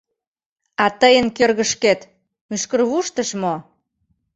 А тыйын кӧргышкет, мӱшкырвуштыш, мо?